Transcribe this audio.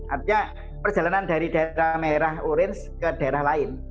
artinya perjalanan dari daerah merah orange ke daerah lain